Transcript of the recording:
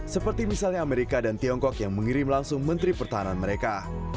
seperti misalnya amerika dan tiongkok yang mengirim langsung menteri pertahanan mereka